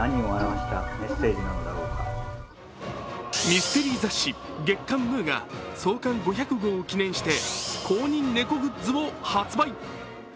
ミステリー雑誌、月刊「ムー」が創刊５００号を記念して公認猫グッズを発売。